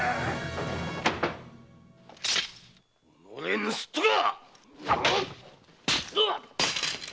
おのれ盗っ人か！